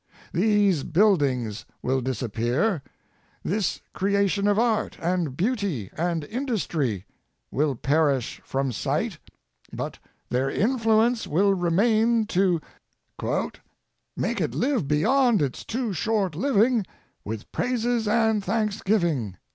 These buildings will disappear; this creation of art and beauty and industry will perish from sight, but their influence will remain to "Make it live beyond its too short living With praises and thanksgiving."